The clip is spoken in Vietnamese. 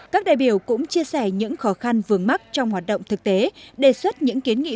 các đại biểu cũng chia sẻ những khó khăn vướng mắt trong hoạt động thực tế đề xuất những kiến nghị